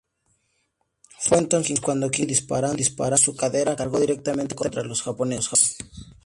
Fue entonces cuando Kingsbury, disparando desde su cadera, cargó directamente contra los japoneses.